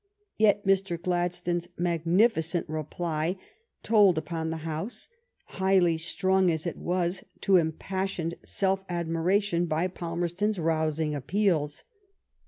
Yet Mr. Gladstone s maenifi cent reply told upon the House, highly strung as it was to impassioned self admiration by Palmer ston's rousing appeals.